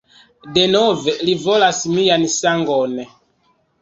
Denove, li volas mian sangon!